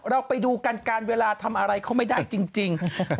เราไปดูกันการเวลาทำอะไรเขาไม่ได้จริง